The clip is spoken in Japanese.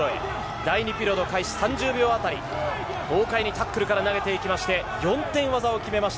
第２ピリオド、開始３０秒あたり、豪快にタックルから投げていきまして４点技を決めました。